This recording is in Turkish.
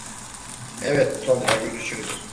Evet, sonra görüşürüz.